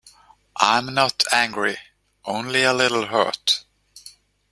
I am not angry, only a little hurt.